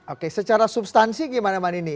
oke secara substansi gimana manini